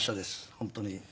本当に。